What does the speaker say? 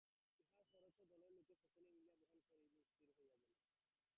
ইহার খরচও দলের লোকে সকলে মিলিয়া বহন করিবে স্থির হইয়া গেল।